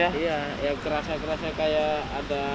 udah tidur berapa sweetnessnya